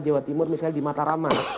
jawa timur misalnya di mataraman